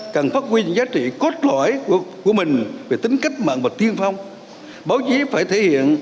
cần phát huy những giá trị cốt lõi của mình về tính cách mạng và tiên phong báo chí phải thể hiện